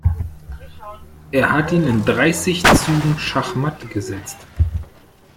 Er hat ihn in dreißig Zügen schachmatt gesetzt.